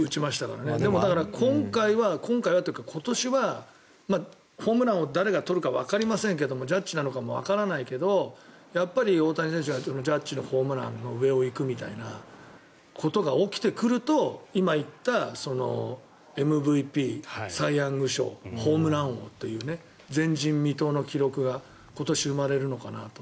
でも今回はというか今年はホームランを誰が打つかわかりませんがジャッジなのかもわからないけどやっぱり大谷選手がジャッジのホームランの上を行くみたいなことが起きてくると今言った、ＭＶＰサイ・ヤング賞ホームラン王という前人未到の記録が今年、生まれるのかなと。